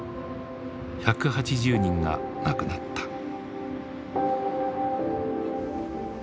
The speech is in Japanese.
１８０人が亡くなった。